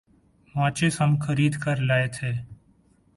ماچس ہم خرید کر لائے تھے ۔